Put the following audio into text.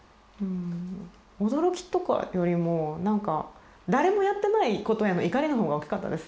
驚きとかよりもなんか誰もやってないことへの怒りのほうが大きかったです。